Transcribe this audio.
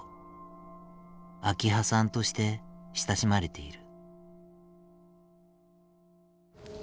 秋葉さんとして親しまれている。